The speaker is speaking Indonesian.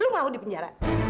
lo mau di penjara